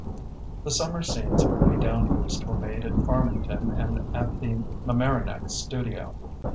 The summer scenes of "Way Down East" were made at Farmington and at the Mamaroneck studio.